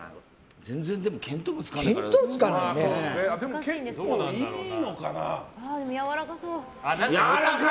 全然、見当もつかない。